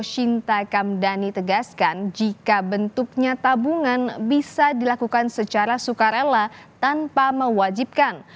shinta kamdani tegaskan jika bentuknya tabungan bisa dilakukan secara sukarela tanpa mewajibkan